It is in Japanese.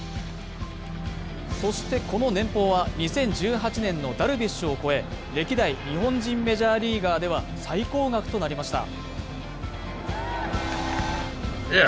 そして、この年俸は２０１８年のダルビッシュを超え、歴代日本人メジャーリーガーでは最高額となりました。